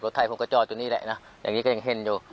รถไทยผมก็จอดตรงนี้แหละนะอย่างนี้ก็ยังเห็นอยู่